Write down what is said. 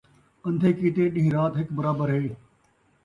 ان٘دھے کیتے ݙین٘ہہ رات ہک برابر ہے